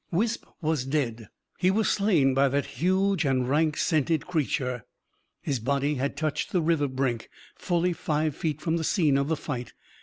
Wisp was dead. He was slain by that huge and rank scented creature. His body had touched the river brink, fully five feet from the scene of the fight.